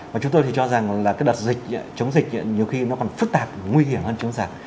và chúng tôi thì cho rằng là cái đợt dịch chống dịch nhiều khi nó còn phức tạp nguy hiểm hơn chống giặc